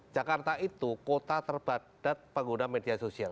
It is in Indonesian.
jakarta itu kota terbadat pengguna media sosial